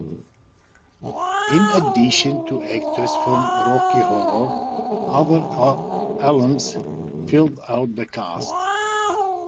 In addition to actors from "Rocky Horror", other alums filled out the cast.